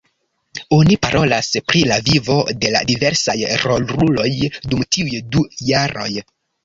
Oni parolas pri la vivo de la diversaj roluloj dum tiuj du jaroj.